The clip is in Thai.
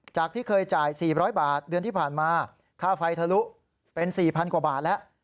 จากที่เคยจ่าย๔๐๐บาทเดือนที่ผ่านมาค่าไฟทะลุเป็น๔๐๐กว่าบาทแล้ว